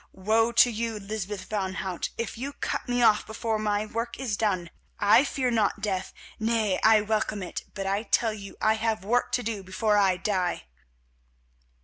Woe to you, Lysbeth van Hout, if you cut me off before my work is done. I fear not death, nay I welcome it, but I tell you I have work to do before I die."